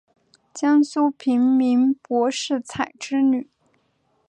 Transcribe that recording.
江苏平民柏士彩之女。